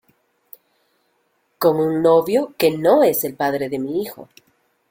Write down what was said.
con un novio que no es el padre de mi hijo